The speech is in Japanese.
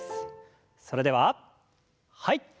それでははい。